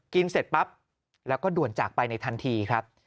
เสร็จปั๊บแล้วก็ด่วนจากไปในทันทีครับ